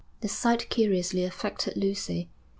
The sight curiously affected Lucy.